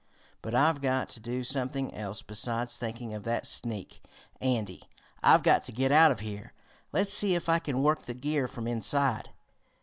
But I've got to do something else besides thinking of that sneak, Andy. I've got to get out of here. Let's see if I can work the gear from inside."